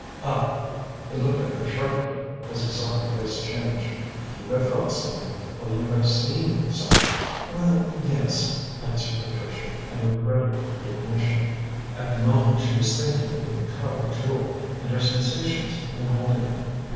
Ah!" he looked at her sharply, as he saw her face change. "You have felt something, or you have seen something." "Well, yes," answered Patricia, and regretted the admission. At the moment, she was thinking of the Mikado Jewel and her sensations when holding it.